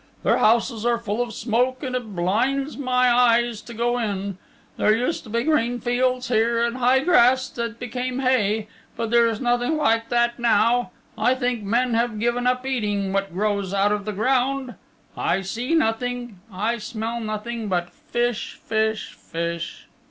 Their houses are full of smoke and it blinds my eyes to go in. There used to be green fields here and high grass that became hay, but there's nothing like that now. I think men have given up eating what grows out of the ground. I see nothing, I smell nothing, but fish, fish, fish."